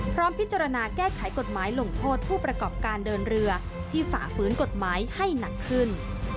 พร้อมพิจารณาแก้ไขกฎหมายลงโทษผู้ประกอบการเดินเรือที่ฝ่าฝืนกฎหมายให้หนักขึ้น